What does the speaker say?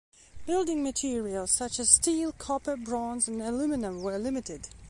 Building materials such as steel, copper, bronze, and aluminum were limited.